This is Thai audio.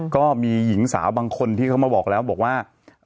ก็มีหญิงสาวบางคนที่เขามาบอกแล้วบอกว่า